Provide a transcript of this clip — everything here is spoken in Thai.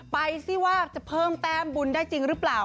ซิว่าจะเพิ่มแต้มบุญได้จริงหรือเปล่า